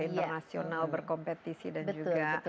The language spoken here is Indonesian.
internasional berkompetisi dan juga